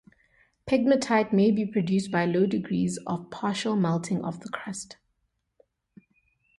Pegmatite may be produced by low degrees of partial melting of the crust.